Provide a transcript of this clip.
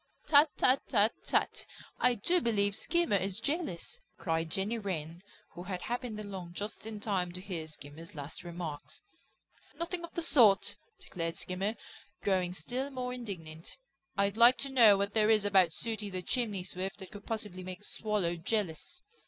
"Tut, tut, tut, tut! I do believe Skimmer is jealous," cried Jenny Wren, who had happened along just in time to hear Skimmer's last remarks. "Nothing of the sort," declared Skimmer, growing still more indignant. "I'd like to know what there is about Sooty the Chimney Swift that could possibly make a Swallow jealous."